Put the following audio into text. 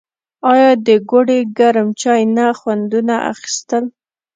او د ګوړې ګرم چای نه خوندونه اخيستل